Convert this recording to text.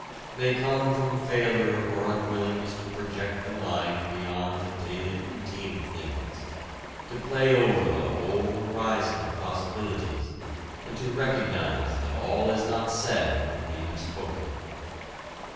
They come from failure or unwillingness to project the mind beyond the daily routine of things, to play over the whole horizon of possibilities, and to recognize that all is not said when we have spoken.